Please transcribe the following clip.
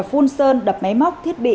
phun sơn đập máy móc thiết bị